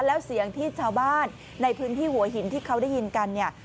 แล้วเสียงที่ชาวบ้านในพื้นที่หัวหินที่เขาได้ยินกันเนี่ย